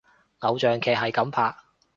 偶像劇係噉拍！